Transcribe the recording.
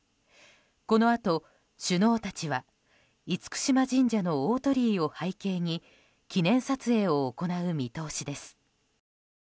このあと、首脳たちは厳島神社の大鳥居を背景に記念撮影を行う見通しです。